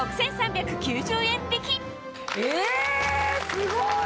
すごい！